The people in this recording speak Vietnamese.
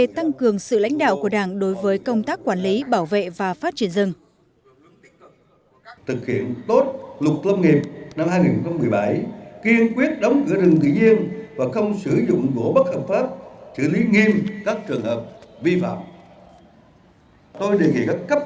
tại lễ phát động thủ tướng yêu cầu thực hiện nghiêm luật lâm nghiệp năm hai nghìn một mươi bảy kiên quyết đóng cửa rừng tự nhiên và không sử dụng gỗ bất hợp pháp đồng thời xử lý nghiêm các trường hợp vi phạm